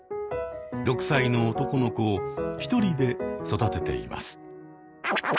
６歳の男の子を１人で育てています。